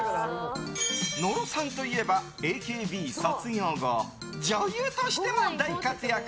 野呂さんといえばＡＫＢ卒業後女優としても大活躍。